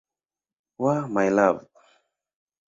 wa "My Love".